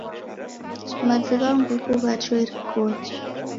Mavi gha nguku ghachua irikonyi